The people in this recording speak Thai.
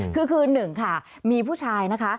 คือคือ๑ค่ะมีผู้ชายนะคะ